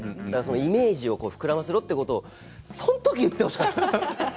イメージを膨らませろとその時、言ってほしかった。